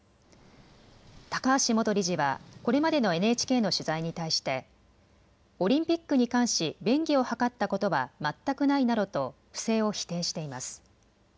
高橋元理事はこれまでのＮＨＫの取材に対してオリンピックに関し便宜を図ったことは全くないなどと不正を否定しています。